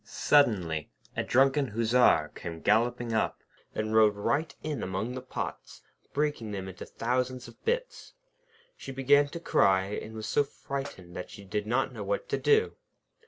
Suddenly, a drunken Hussar came galloping up, and rode right in among the pots, breaking them into thousands of bits. She began to cry, and was so frightened that she did not know what to do.